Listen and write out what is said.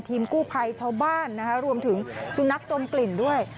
ทีมกู้ไพรชาวบ้านรวมถึงชุนักโจมกลิ่นด้วย